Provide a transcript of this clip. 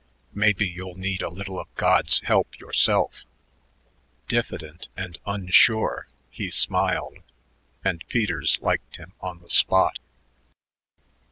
"Maybe you'll need a little of God's help yourself." Diffident and unsure, he smiled and Peters liked him on the spot.